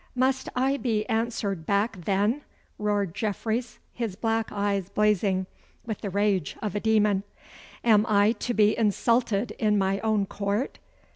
'Must I be answered back, then!' roared Jeffreys, his black eyes blazing with the rage of a demon. 'Am I to be insulted in my own court?